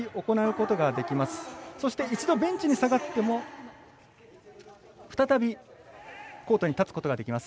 そして一度ベンチに下がっても再びコートに立つことができます。